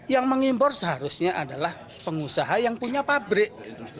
yang mengimpor seharusnya adalah pengusaha yang punya pabrik